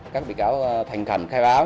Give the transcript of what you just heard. các bị cáo thành khẩn khai báo